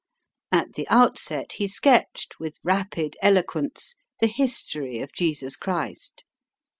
At the outset he sketched, with rapid eloquence, the history of Jesus Christ.